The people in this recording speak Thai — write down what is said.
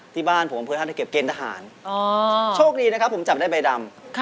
ที่บ้านผมอำเภอท่านเก็บเกณฑ์ทหารโชคดีนะครับผมจับได้ใบดำ